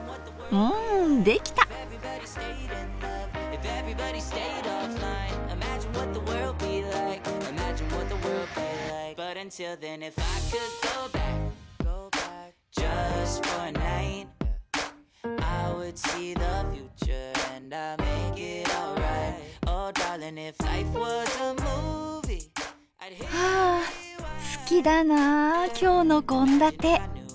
ああ好きだなあ今日の献立。